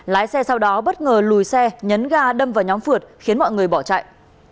lái xe sau đó bất ngờ lùi xe nhấn ga đâm vào nhóm phượt khiến mọi người bỏ chạy